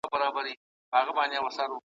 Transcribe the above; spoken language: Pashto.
یو وژل کیږي بل یې په سیل ځي `